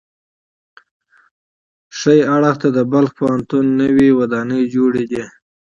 ښي اړخ ته د بلخ پوهنتون نوې ودانۍ جوړې دي.